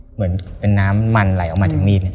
เหมือนเป็นน้ำมันไหลออกมาจากมีดเนี่ย